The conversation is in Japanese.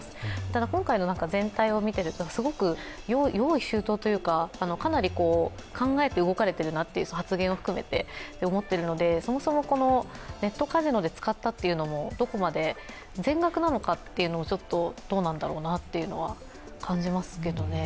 ただ、今回の全体を見ていると、すごく用意周到というか、かなり発言を含めて、考えて動かれてるなと思っているのでそもそもネットカジノで使ったというのも、全額なのかというのはちょっとどうなんだろうなというのは感じますけどね。